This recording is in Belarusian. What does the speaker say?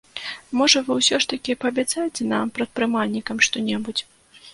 Можа вы ўсё ж такі паабяцаеце нам, прадпрымальнікам, што-небудзь?